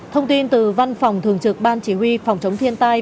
thông tin từ văn phòng thường trực ban chỉ huy phòng chống thiên tai